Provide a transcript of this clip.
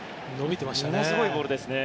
ものすごいボールですね。